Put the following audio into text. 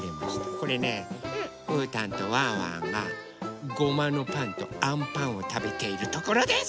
これねうーたんとワンワンがごまのパンとあんパンをたべているところです！